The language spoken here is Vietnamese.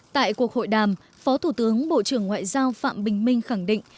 tại cuộc hội đàm phó thủ tướng bộ trưởng ngoại giao phạm bình minh khẳng định